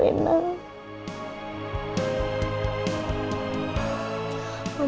mama ingin melakukannya sedih venana